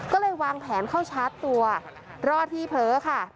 ก็เลยวางแผนเข้าชาร์จตัวรอที่เผลอค่ะ